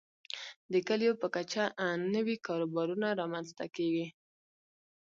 د کليو په کچه نوي کاروبارونه رامنځته کیږي.